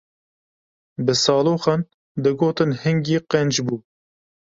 Bi saloxan digotin hingî qenc bû.